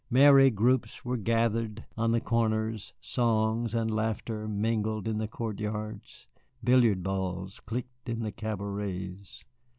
Merry groups were gathered on the corners, songs and laughter mingled in the court yards, billiard balls clicked in the cabarets.